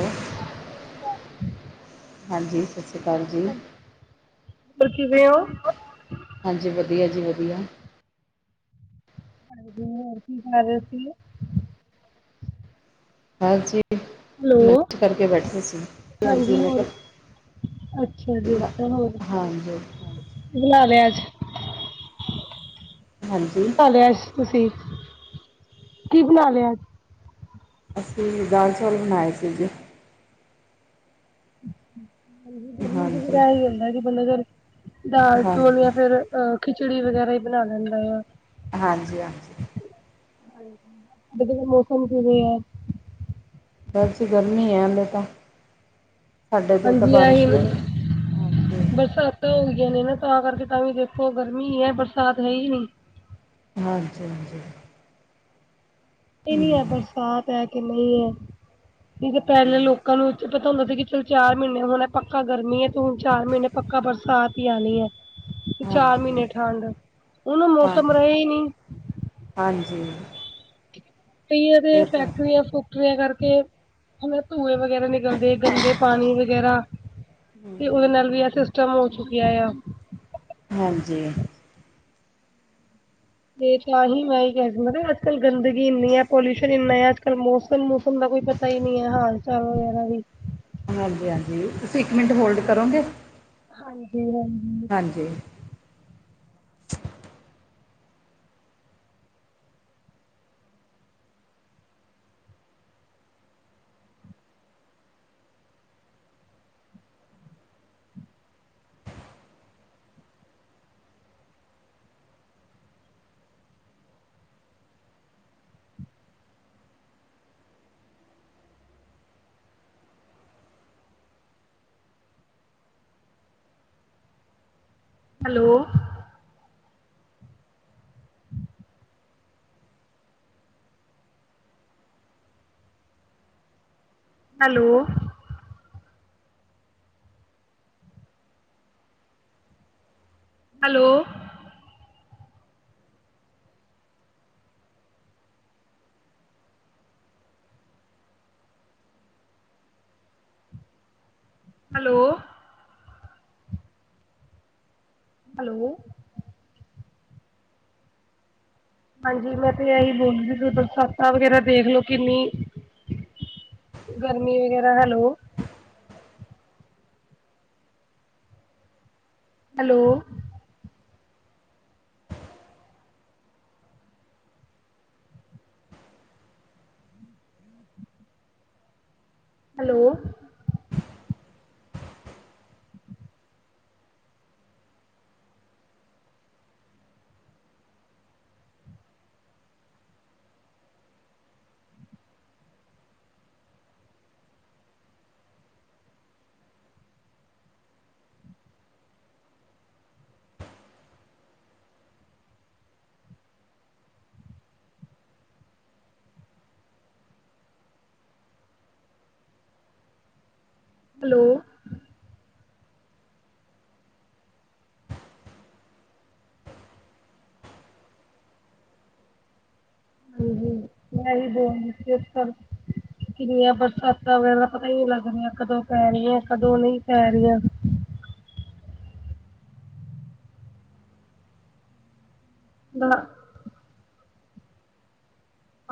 ਉਹ [unintelligible] ਹਾਂਜੀ ਸਾਸਰੀ ਕਾਲ ਜੀ। ਪਰ ਕਿਵੇਂ ਹੋ? ਹਾਂਜੀ ਵਧੀਆ ਜੀ ਵਧੀਆ ਹੁਣ ਵਧੀਆ, ਹੋਰ ਕੀ ਕਰ ਰਹੇ ਸੀਗੇ। ਹਾਂਜੀ, ਹੈਲੋ। ਕਨੈਕਟ ਕਰਕੇ ਬੈਠੇ ਸੀ [unintelligible] ਹਾਂਜੀ ਮੈਂ ਕਿਹਾ ਅੱਛਾ ਜੀ ਅੱਛਾ ਹੋਰ ਹਾਂਜੀ ਹਾਂਜੀ ਕੀ ਬਣਾ ਲਿਆ ਅੱਜ ਹਾਂਜੀ ਕੀ ਬਣਾ ਲਿਆ ਅੱਜ ਤੁਸੀਂ, ਕੀ ਬਣਾ ਲਿਆ। ਅਸੀਂ ਦਾਲ ਚੌਲ ਬਣਾਏ ਸੀ ਜੀ ਹਾਂਜੀ ਗਰਮੀ ਚ ਫਿਰ ਹਾਂਜੀ ਆਹੀ ਹੁੰਦਾ ਜੀ ਕਿ ਬੰਦਾ ਚਲੋ ਦਾਲ ਚੋਲ ਹਾਂਜੀ ਜਾਂ ਫੇਰ ਅਹ ਖਿਚੜੀ ਵਗੈਰਾ ਹੀ ਬਣਾ ਲੈਂਦਾ ਆ। ਹਾਂਜੀ ਹਾਂਜੀ ਹਾਂਜੀ ਉਧਰ ਦਾ ਮੌਸਮ ਕਿਵੇਂ ਆ ਅੱਜ ਗਰਮੀ ਆ ਹਾਲੇ ਤਾਂ ਸਾਡੇ ਇੱਧਰ ਤਾਂ ਹਾਂਜੀ ਆਹੀ ਬਾਰਿਸ਼ ਵੀ ਨਹੀਂ, ਹਾਂਜੀ ਤੋਂਈ ਜਾਂਨੇ ਨਾ ਤਾਂ ਕਰਕੇ ਤਾਂ ਵੀ ਦੇਖੋ ਗਰਮੀ ਹੈ ਬਰਸਾਤ ਹੈ ਹੀ ਨੀ। ਹਾਂਜੀ, ਹਾਂਜੀ, ਹਾਂਜੀ। ਏਨੀ ਐ ਬਰਸਾਤ ਐ ਕੀ ਮਈ ਐ, ਨਈ ਤੇ ਹਾਂਜੀ ਪੈਲੇ ਲੋਕਾਂ ਨੂੰ ਚ ਤੇ ਪਤਾ ਹੁੰਦਾ ਸੀ ਕਿ ਚੱਲ ਚਾਰ ਮਹੀਨੇ ਹੂਨ ਐ ਪੱਕਾ ਗਰਮੀ ਐ ਤੇ ਹੁਨ ਚਾਰ ਮਹੀਨੇ ਪੱਕਾ ਬਰਸਾਤ ਈ ਆਨੀ ਐ। ਚਾਰ ਮੀਂਨ੍ਹੇ ਹਾਂਜੀ ਠੰਡ, ਹੁਨ ਓ ਹਾਂ ਮੌਸਮ ਰਹੇ ਈ ਨੀ। ਹਾਂਜੀ। ਕਈ ਏਦੇ ਇਹ ਤਾਂ ਫੈਕਟਰੀਆਂ ਫੁਕਟਰੀਆਂ ਕਰਕੇ ਹੈਨਾ ਧੂੰਏ ਵਗੈਰਾ ਨਿਕਲਦੇ, ਗੰਦੇ ਪਾਨੀ ਵਗੈਰਾ ਤੇ ਓਦੇ ਨਾਲ ਵੀ ਐ ਸਿਸਟਮ ਹੋ ਚੁੱਕਿਐ ਐਯਾ। ਹਾਂਜੀ। ਵੇਖ ਲੈ ਆਹੀ ਮੈਂ ਈ ਕਿਆ ਸੀ ਹੈਨਾ ਅੱਜ-ਕੱਲ ਗੰਦਗੀ ਏਨੀਂ ਐ, ਪੋਲਿਊਸ਼ਨ ਏਨਾਂ ਐ ਏੱ ਥੇ ਮੌਸਮ ਮੂਸਮ ਦਾ ਕੋਈ ਪਤਾ ਈ ਨੀ ਐ ਹਾਲ ਚਾਲ ਵਗੈਰਾ ਵੀ ਹਾਂਜੀ-ਹਾਂਜੀ, ਤੁਸੀਂ ਇੱਕ ਮਿੰਟ ਹੋਲਡ ਕਰੋਗੇ? ਹਾਂਜੀ, ਹਾਂਜੀ। ਹਾਂ ਜੀ। Hello. Hello. Hello. Hello. Hello. ਹਾਂਜੀ, ਮੈਂ ਤੇ ਐ ਈ ਬੋਲਦੀ ਪਈ ਬਰਸਾਤਾਂ ਵਗੈਰਾ ਦੇਖ ਲਓ ਕਿੰਨੀ ਗਰਮੀ ਵਗੈਰਾ, ਹੈਲੋ ਹੈਲੋ। ਹੈਲੋ। ਹੈਲੋ। ਹਾਂਜੀ, ਮੈਂ ਵੀ ਬੋਲ ਰੀ ਸੀ ਏੱਧਰ। ਕਿੰਨੀਆਂ ਬਰਸਾਤਾਂ ਵਗੈਰਾ ਪਤਾ ਈ ਨੀ ਲੱਗ ਰਿਆਂ, ਕਦੋਂ ਪੈ ਰੀਐਂ, ਕਦੋਂ ਨਈ ਪੈ ਰੀਆਂ। ਗਣਾ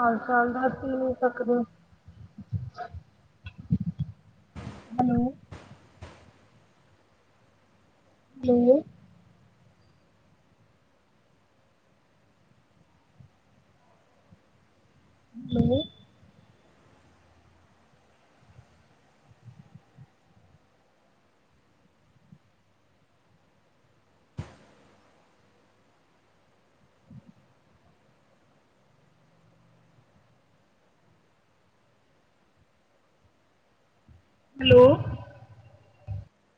ਅੱਜ-ਕੱਲ ਦਾ ਤੀ ਨੂੰ [unintelligible] ਹੈਲੋ। ਹੈਲੋ। ਹੈਲੋ। ਹੈਲੋ।